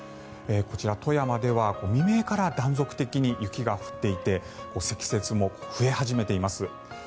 こちら、富山では未明から断続的に雪が降っていて積雪も増え始めています。